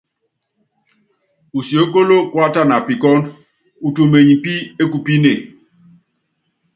Usiókóló kuátana pikɔ́ndɔ́, utumenyi pí ékupíne.